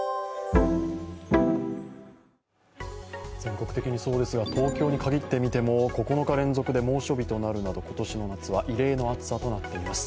全国的にそうですが東京に限って見ても９日連続で猛暑日となるなど今年の夏は異例の暑さとなっています。